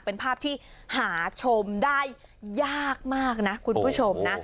เป็นภาพที่หาชมได้ยากมากนะคุณผู้ชมนะ